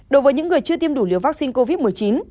đối với những người chưa tiêm đủ liều vaccine covid một mươi chín